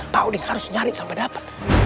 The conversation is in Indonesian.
pak unik harus nyari sampai dapat